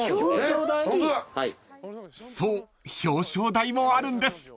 ［そう表彰台もあるんです］